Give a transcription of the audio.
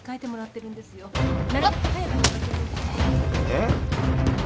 えっ？